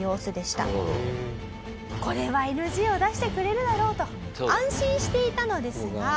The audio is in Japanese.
これはＮＧを出してくれるだろうと安心していたのですが。